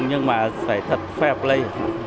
nhưng mà phải thật fair play